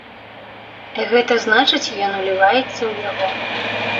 Гэта значыць, ён уліваецца ў яго.